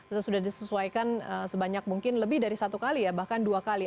itu sudah disesuaikan sebanyak mungkin lebih dari satu kali ya bahkan dua kali